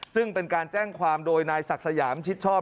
ซึ่งเป็นการแจ้งความโดยนายศักดิ์สยามชิดชอบ